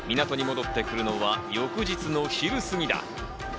港に戻ってくるのは翌日の昼すぎだ。